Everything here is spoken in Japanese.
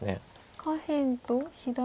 下辺と左上。